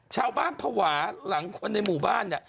ชาวบ้าผวาหลังในหมู่บ้าน